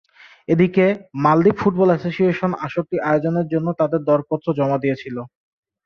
এদিকে, মালদ্বীপ football association আসরটি আয়োজনের জন্য তাদের দরপত্র জমা দিয়েছিল।